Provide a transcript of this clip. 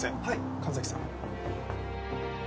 神崎さん。